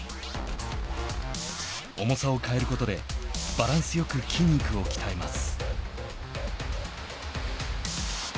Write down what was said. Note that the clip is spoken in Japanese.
重さを変えることでバランスよく筋肉を鍛えます。